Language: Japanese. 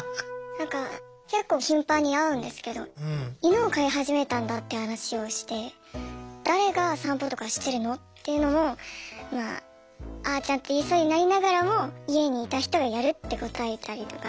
なんか結構頻繁に会うんですけど「犬を飼い始めたんだ」って話をして「誰が散歩とかしてるの？」っていうのも「あーちゃん」って言いそうになりながらも「家にいた人がやる」って答えたりとか。